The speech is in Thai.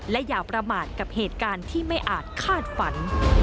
และอย่าประมาทกับเหตุการณ์ที่ไม่อาจคาดฝัน